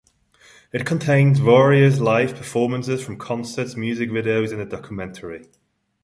It contains various live performances from concerts, music videos, and a documentary.